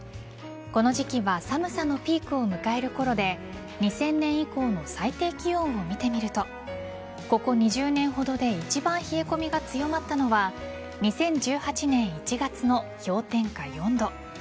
この時期は寒さのピークを迎える頃で２０００年以降の最低気温を見てみるとここ２０年ほどで一番冷え込みが強まったのは２０１８年１月の氷点下４度。